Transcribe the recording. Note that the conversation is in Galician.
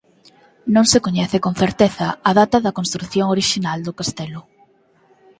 Non se coñece con certeza a data da construción orixinal do castelo.